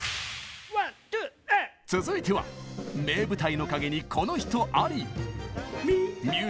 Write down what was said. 続いては名舞台の陰にこの人あり！